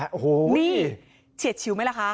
โอ้โหนี่เฉียดชิวไหมล่ะคะ